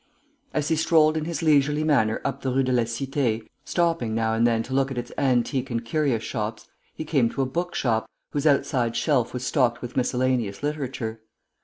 As he strolled in his leisurely manner up the Rue de la Cité, stopping now and then to look at its antique and curious shops, he came to a book shop, whose outside shelf was stocked with miscellaneous literature.